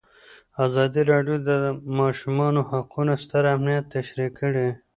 ازادي راډیو د د ماشومانو حقونه ستر اهميت تشریح کړی.